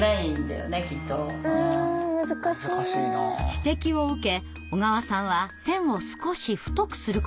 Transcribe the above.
指摘を受け小川さんは線を少し太くすることを決めました。